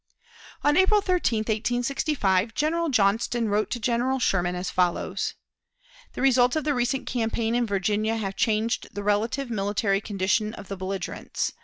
On April 13, 1865, General Johnston wrote to General Sherman as follows: "The results of the recent campaign in Virginia have changed the relative military condition of the belligerents.